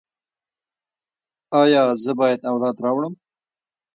ایا زه باید اولاد راوړم؟